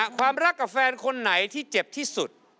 ความรักกับแฟนคนไหนที่เจ็บที่สุด